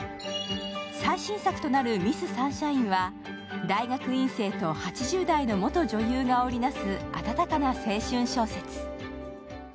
最新作となる「ミス・サンシャイン」は大学院生と８０代の元女優が織りなす温かな青春小説。